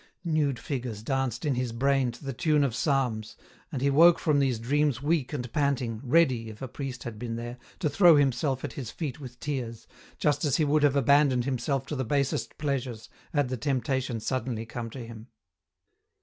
Nude figures danced in his brain to the tune of psalms, and he woke from these dreams weak and panting, ready, if a priest had been there, to throw himself at his feet with tears, just as he would have abandoned him self to the basest pleasures, had the temptation suddenly come to him.